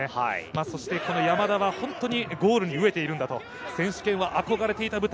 そして山田は本当にゴールに飢えている、選手権は憧れていた舞台。